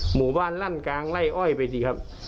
หมู่บ้านลั่นกลางไล่อ้อยไปสิครับ